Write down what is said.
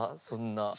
そんな。